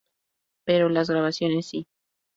Pero las grabaciones si.